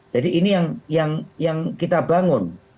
jadi ini yang kita bangun